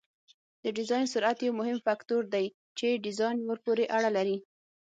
د ډیزاین سرعت یو مهم فکتور دی چې ډیزاین ورپورې اړه لري